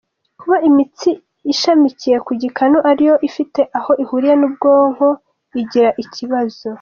Kuba imitsi ishamikiye ku gikanu ari nayo ifite aho ihuriye n’ubwonko igira ikibazo.